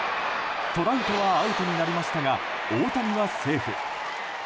トラウトはアウトになりましたが大谷はセーフ。